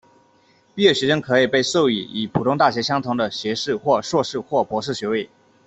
毕业学生可以被授予与普通大学相同的学士或硕士或博士学位。